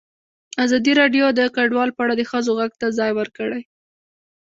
ازادي راډیو د کډوال په اړه د ښځو غږ ته ځای ورکړی.